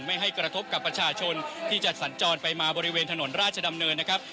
ไม่ให้กระทบกับประชาชนที่จะสัญจรไปมาบริเวณถนนราชดำเนินนะครับ